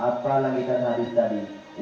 apa langitkan hadis tadi